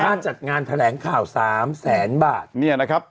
จัดงานแถลงข่าว๓แสนบาทเนี่ยนะครับ